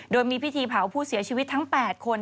โดยมีพิธีเผาผู้เสียชีวิตทั้ง๘คน